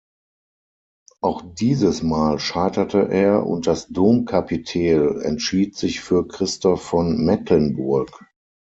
Auch dieses Mal scheiterte er und das Domkapitel entschied sich für Christoph von Mecklenburg.